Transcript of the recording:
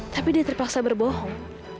tapi dia terpaksa berbohong